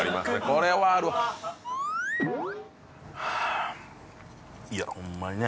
これはあるいやホンマにね